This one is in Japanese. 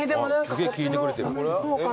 すげえ聞いてくれてる。